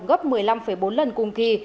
gấp một mươi năm bốn lần cùng kỳ